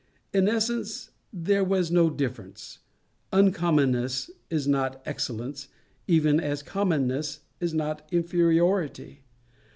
In essence there was no difference. Uncommonness is not excellence, even as commonness is not inferiority.